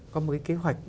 có một cái kế hoạch